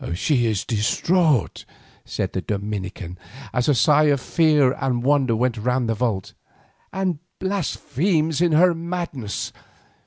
"She is distraught," said the Dominican as a sigh of fear and wonder went round the vault, "and blasphemes in her madness.